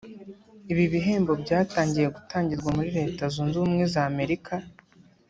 Ibi bihembo byatangiye gutangirwa muri Leta Zunze Ubumwe za Amerika